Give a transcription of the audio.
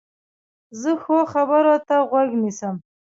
زه ښو خبرو ته غوږ نیسم.